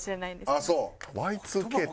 ああそう。